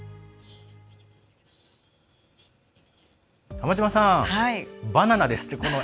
浜島さんバナナですって。